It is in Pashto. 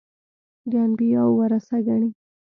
د انبیاوو ورثه ګڼي.